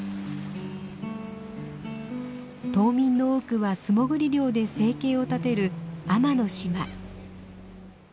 島民の多くは素潜り漁で生計を立てる海女の島。